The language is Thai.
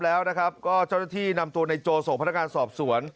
แล้วนะครับก็เจ้าหน้าที่นำตัวในโจส่งพนักงานสอบสวน